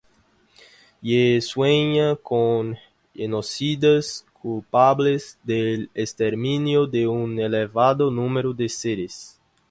Y sueña con genocidas, culpables del exterminio de un elevado número de seres.